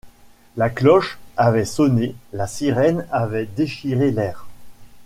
La cloche avait sonné, la sirène avait déchiré l'air.